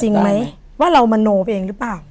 จริงไหมว่าเรามโนเองหรือเปล่า